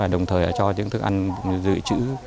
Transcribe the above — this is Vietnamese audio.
đồng thời là cho những thức ăn dự trữ